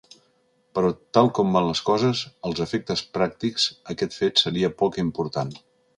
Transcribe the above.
Però tal com van les coses, als efectes pràctics aquest fet seria poc important.